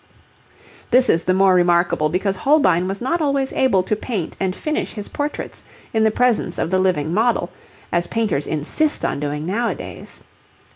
This is the more remarkable because Holbein was not always able to paint and finish his portraits in the presence of the living model, as painters insist on doing nowadays.